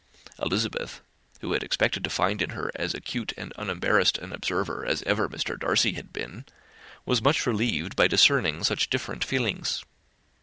Elizabeth, who had expected to find in her as acute and unembarrassed an observer as ever Mr. Darcy had been, was much relieved by discerning such different feelings.